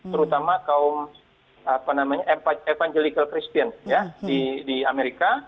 terutama kaum evangelical christian di amerika